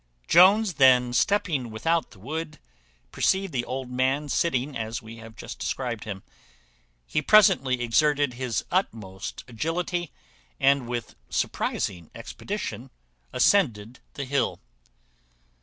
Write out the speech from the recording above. Jones then stepping without the wood, perceived the old man sitting as we have just described him; he presently exerted his utmost agility, and with surprizing expedition ascended the hill.